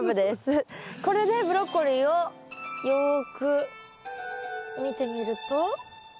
これでブロッコリーをよく見てみると？